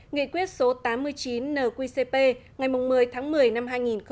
nghị quyết số tám mươi chín nqcp ngày một mươi tháng một mươi năm hai nghìn một mươi